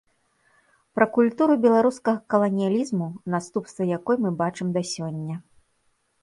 Пра культуру беларускага каланіялізму, наступствы якой мы бачым да сёння.